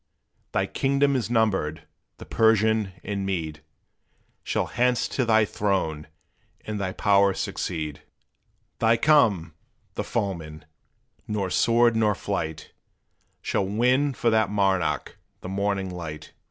Thy kingdom is numbered the Persian and Mede Shall hence to thy throne and thy power succeed!" They come! the foemen nor sword nor flight, Shall win for that monarch the morning light!